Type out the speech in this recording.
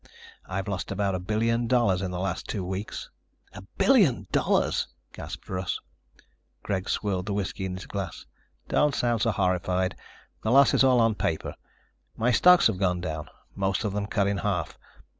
I've lost about a billion dollars in the last two weeks." "A billion dollars?" gasped Russ. Greg swirled the whiskey in his glass. "Don't sound so horrified. The loss is all on paper. My stocks have gone down. Most of them cut in half.